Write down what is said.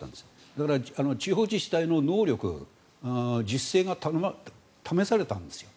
だから、地方自治体の能力自主性が試されたんですよ。